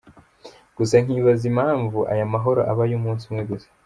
Gusa nkibaza impamvu aya mahoro aba ay’umunsi umwe gusa.